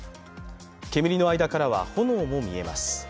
煙の間からは炎も見えます。